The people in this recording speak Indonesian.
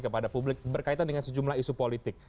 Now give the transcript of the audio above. kepada publik berkaitan dengan sejumlah isu politik